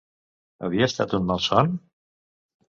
Havia estat un malson?